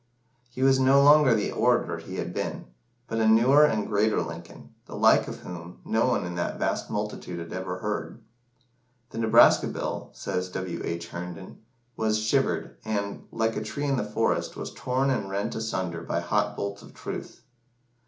He was no longer the orator he had been, "but a newer and greater Lincoln, the like of whom no one in that vast multitude had ever heard." "The Nebraska Bill," says W. H. Herndon, "was shivered, and, like a tree of the forest, was torn and rent asunder by hot bolts of truth."